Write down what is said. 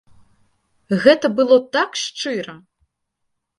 Гэта было так шчыра!